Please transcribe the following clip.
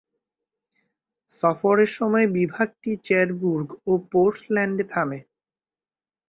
সফরের সময় বিভাগটি চেরবুর্গ ও পোর্টল্যান্ডে থামে।